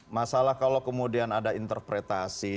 masalah kalau kemudian ada interpretasi